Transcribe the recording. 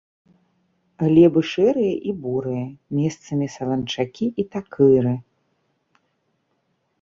Глебы шэрыя і бурыя, месцамі саланчакі і такыры.